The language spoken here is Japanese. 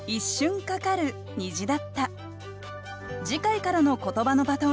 次回からの「ことばのバトン」